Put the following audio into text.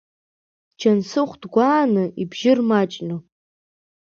Џьансыхә дгәааны, ибжьы рмаҷны.